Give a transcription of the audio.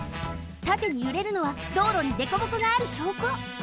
たてにゆれるのは道路にでこぼこがあるしょうこ。